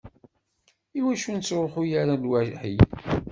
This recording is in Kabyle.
Iwacu ur nettruḥ ara lwaḥi?